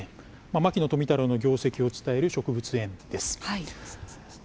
牧野富太郎の業績を伝えるという植物園です。